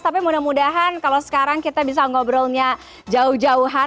tapi mudah mudahan kalau sekarang kita bisa ngobrolnya jauh jauhan